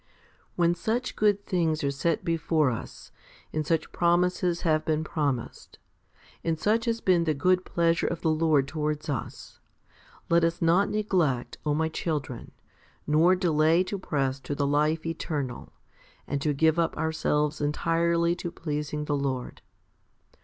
5. When such good things are set before us, and such promises have been promised, and such has been the good pleasure of the Lord towards us, let us not neglect, O my children, nor delay to press to the life eternal, and to give up ourselves entirely to pleasing the Lord.